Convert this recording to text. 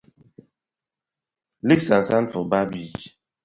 Leave sand sand for bar beach.